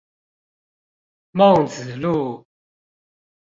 孟子路